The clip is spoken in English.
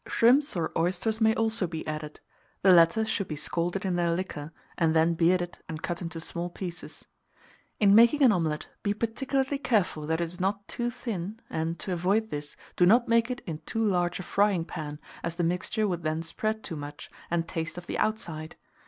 Shrimps or oysters may also be added: the latter should be scalded in their liquor, and then bearded and cut into small pieces. In making an omelet, be particularly careful that it is not too thin, and, to avoid this, do not make it in too large a frying pan, as the mixture would then spread too much, and taste of the outside.